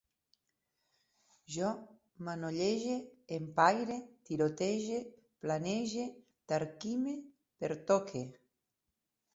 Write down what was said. Jo manollege, em paire, tirotege, planege, tarquime, pertoque